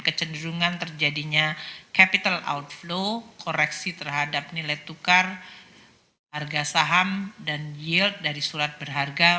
kecenderungan terjadinya capital outflow koreksi terhadap nilai tukar harga saham dan yield dari surat berharga